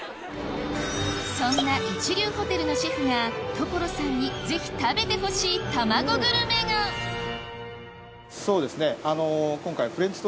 そんな一流ホテルのシェフが所さんにぜひ食べてほしい卵グルメがそうですね今回。